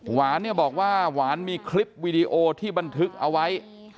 หวานเนี่ยบอกว่าหวานมีคลิปวีดีโอที่บันทึกเอาไว้